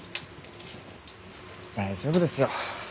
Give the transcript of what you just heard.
大丈夫ですよ。